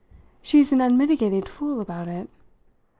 She's an unmitigated fool about it.